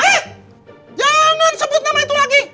ayo jangan sebut nama itu lagi